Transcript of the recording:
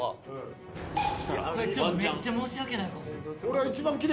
めっちゃ申し訳ないかも。